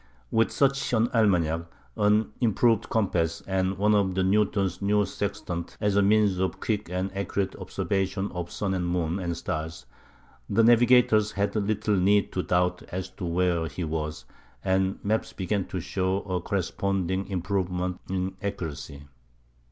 With such an almanac, an improved compass, and one of Newton's new sextants as a means of quick and accurate observation of sun and moon and stars, the navigator had little need to doubt as to where he was; and maps began to show a corresponding improvement in accuracy.